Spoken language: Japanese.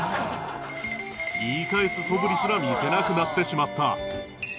言い返すそぶりすら見せなくなってしまった